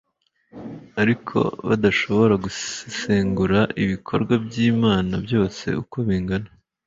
ariko badashobora gusesengura ibikorwa by'imana byose uko bingana